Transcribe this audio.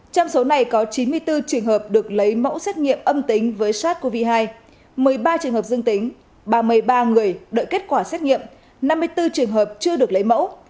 trong số này có chín mươi bốn trường hợp được lấy mẫu xét nghiệm âm tính với sars cov hai một mươi ba trường hợp dương tính ba mươi ba người đợi kết quả xét nghiệm năm mươi bốn trường hợp chưa được lấy mẫu